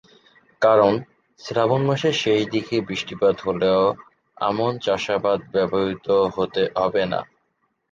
কারণ, শ্রাবণ মাসের শেষ দিকে বৃষ্টিপাত হলেও আমন চাষাবাদ ব্যাহত হবে না।